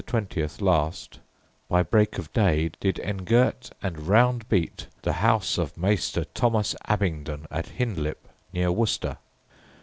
20 last, by break of day, did engirt and round beat the house of Mayster Thomas Abbingdon, at Hindlip, near Worcester.